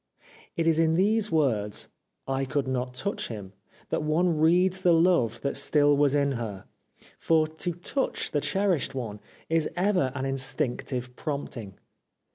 It is in those words '' I could not touch him " that one reads the love that still was in her ; for to touch the cherished one is ever an instinctive prompting.